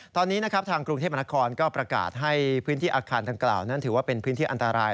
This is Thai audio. ตอนนี้นะครับทางกรุงเทพมนาคมก็ประกาศให้พื้นที่อาคารดังกล่าวนั้นถือว่าเป็นพื้นที่อันตราย